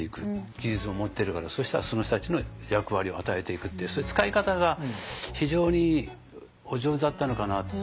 技術も持ってるからそしたらその人たちの役割を与えていくってその使い方が非常にお上手だったのかなっていう。